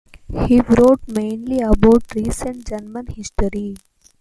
He wrote mainly about recent German history.